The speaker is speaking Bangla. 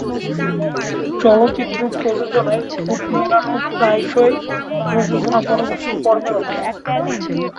চলচ্চিত্র প্রযোজনায়, ঠোঁট-মেলানো প্রায়শই প্রযোজনা-পরবর্তী পর্বের অংশ।